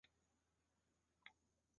蜍蝽为蜍蝽科蜍蝽属下的一个种。